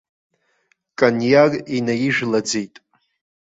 Кониар инаижәлаӡеит.